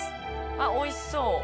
あっ美味しそう。